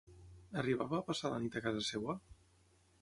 Arribava a passar la nit a casa seva?